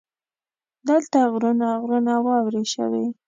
دلته غرونه غرونه واورې شوي.